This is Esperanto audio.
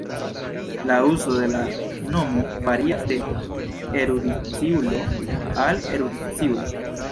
La uzo de la nomo varias de erudiciulo al erudiciulo.